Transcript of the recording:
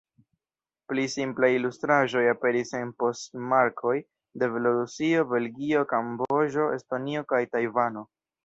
Pli simplaj ilustraĵoj aperis en poŝtmarkoj de Belorusio, Belgio, Kamboĝo, Estonio kaj Tajvano.